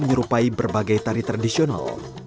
menyerupai berbagai tari tradisional